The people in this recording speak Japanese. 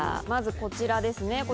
まずこちらですね